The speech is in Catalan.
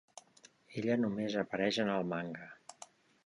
Ella només apareix en el manga.